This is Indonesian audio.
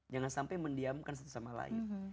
jangan sampai mendiamkan satu sama lain